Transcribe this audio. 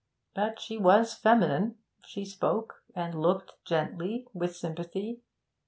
But she was feminine; she spoke and looked gently, with sympathy.